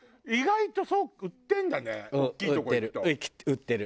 売ってる。